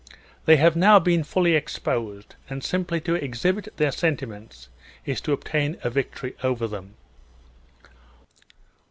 They have now been fully exposed ; and simply to exhibit their sentiments, is to obtain a victory over them.